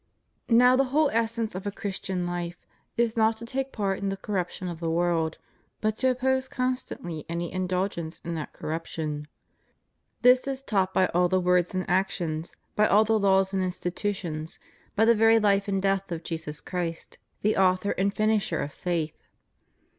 Now the whole essence of a Christian life is not to take part in the corruption of the world, but to oppose constantly any indulgence in that corruption. This is taught by all the words and actions, by all the laws and institutions, by the very life and death of Jesus Christ, the author and finisher of faith?